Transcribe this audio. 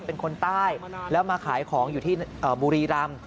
เป็นคนใต้แล้วมาขายของอยู่ที่บุรีรำ